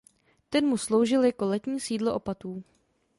Ten mu sloužil jako letní sídlo opatů.